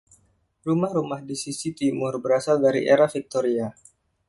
Rumah-rumah di sisi timur berasal dari era Victoria.